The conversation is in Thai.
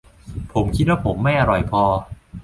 ผมคิดว่าผมไม่อร่อยพอ